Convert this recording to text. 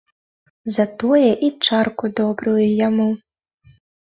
За тое і чарку добрую яму.